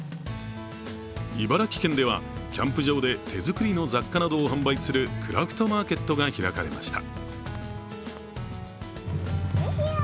茨城県ではキャンプ場で手作りの雑貨などを販売するクラフトマーケットが開かれました。